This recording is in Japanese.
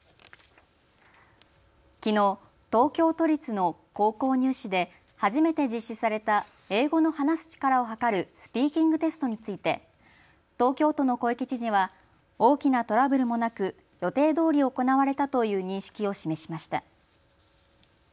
きのう、東京都立の高校入試で初めて実施された英語の話す力をはかるスピーキングテストについて東京都の小池知事は大きなトラブルもなく予定どおり行われたという認識を示しました。